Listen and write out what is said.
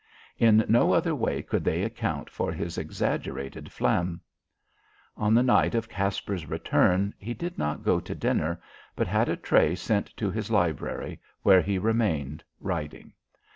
In no other way could they account for this exaggerated phlegm. On the night of Caspar's return he did not go to dinner, but had a tray sent to his library, where he remained writing.